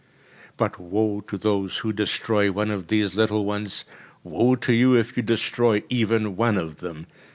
But woe to those who destroy one of these little ones, woe to you if you destroy even one of them.